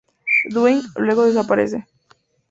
Dwight luego desaparece.